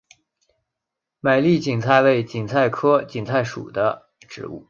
美丽堇菜为堇菜科堇菜属的植物。